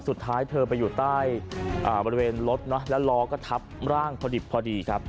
สุดท้ายเธอไปอยู่ใต้บริเวณรถแล้วล้อก็ทับร่างพอดิบพอดีครับ